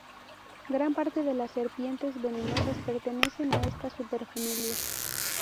Gran parte de las serpientes venenosas pertenecen a esta superfamilia.